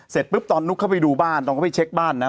เสร็จปุ๊บตอนนุ๊กเข้าไปดูบ้านตอนเข้าไปเช็คบ้านนะ